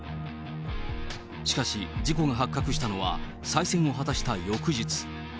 しかし、事故が発覚したのは、再選を果たした翌日。